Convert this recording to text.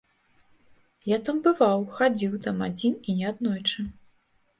Я там бываў, хадзіў там адзін, і не аднойчы.